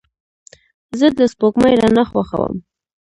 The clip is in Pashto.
زه د سپوږمۍ رڼا خوښوم.